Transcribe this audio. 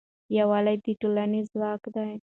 یووالی د ټولنې ځواک دی.